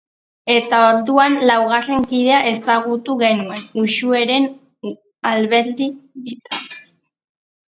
Eta orduan laugarren kidea ezagutu genuen Uxueren Alberdi bitartez.